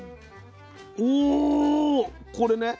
おこれね。